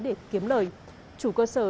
để kiếm lời chủ cơ sở